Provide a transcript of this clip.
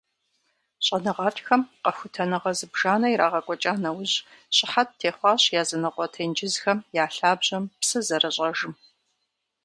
Щӏэныгъэлӏхэм къэхутэныгъэ зыбжанэ ирагъэкӏуэкӏа нэужь, щыхьэт техъуащ языныкъуэ тенджызхэм я лъабжьэм псы зэрыщӏэжым.